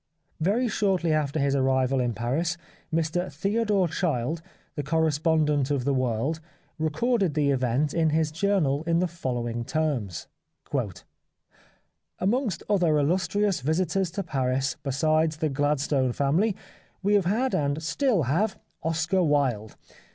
Very shortly after his arrival in Paris Mr Theodore Child, the corre spondent of The World, recorded the event in his journal in the following terms :" Amongst other illustrious visitors to Paris, besides the Gladstone family, we have had and still have, Oscar Wilde.